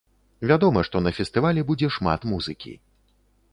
Вядома, што на фестывалі будзе шмат музыкі.